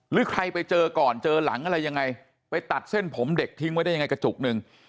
หรือใครไปเจอก่อนเจอหลังอะไรยังไงไปตัดเส้นผมเด็กทิ้งไว้ได้ยังไงกระจุกหนึ่ง